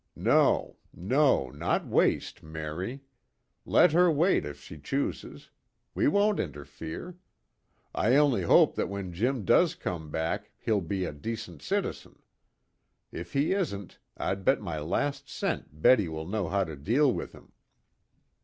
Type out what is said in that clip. No, no, not waste, Mary. Let her wait if she chooses. We won't interfere. I only hope that when Jim does come back he'll be a decent citizen. If he isn't, I'd bet my last cent Betty will know how to deal with him."